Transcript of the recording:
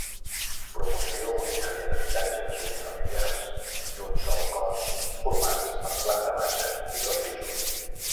Promoció unitària d'habitatges unifamiliars d'un sol cos formats per planta baixa i dos pisos.